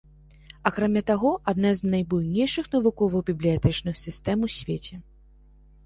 Акрамя таго, адна з найбуйнейшых навуковых бібліятэчных сістэм у свеце.